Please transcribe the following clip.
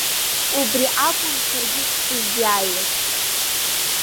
Убри акәын саргьы сыззааиуаз.